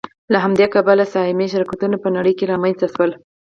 له همدې کبله سهامي شرکتونه په نړۍ کې رامنځته شول